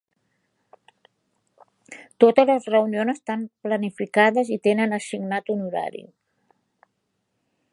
Totes les reunions estan planificades y tenen assignat un horari.